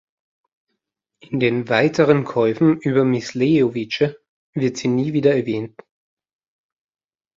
In den weiteren Käufen über Myslejovice wird sie nie wieder erwähnt.